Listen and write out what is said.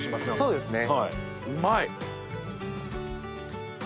そうですね。